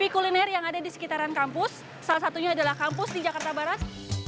kulineran di sekitar kampus di jakarta barat